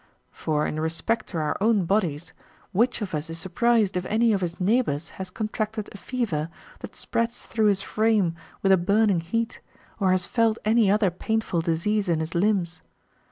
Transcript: For, in respect to our own bodies, which of us is surprised if any of his neighbours has contracted a fever, that spreads through his frame with a burning heat, or has felt any other painful disease in his limbs